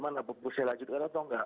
bagaimana pemusil lanjutkan atau enggak